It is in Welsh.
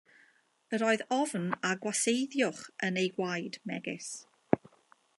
Yr oedd ofn a gwaseiddiwch yn eu gwaed, megis.